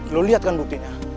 lo liat kan buktinya